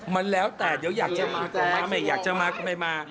มันแล้วแต่เดี๋ยวอยากจะมาก็ไม่มา